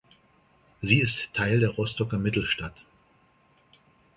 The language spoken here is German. Sie ist Teil der Rostocker "Mittelstadt".